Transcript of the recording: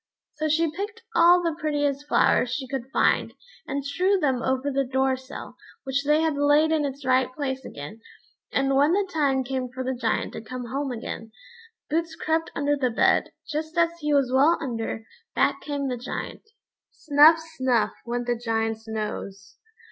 So she picked all the prettiest flowers she could find, and strewed them over the door sill, which they had laid in its right place again; and when the time came for the Giant to come home again, Boots crept under the bed. Just as he was well under, back came the Giant. Snuff snuff, went the Giant's nose.